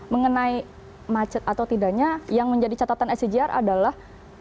mengenai macet atau tidaknya yang menjadi catatan icjr adalah